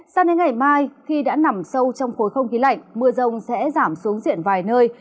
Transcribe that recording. sao đến ngày mai khi đã nằm sâu trong khối không khí lạnh mưa rông sẽ giảm xuống diện vài nơi